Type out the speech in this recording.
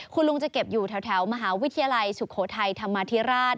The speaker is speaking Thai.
คุณลุงจะเก็บอยู่แถวมหาวิทยาลัยสุโขทัยธรรมาธิราช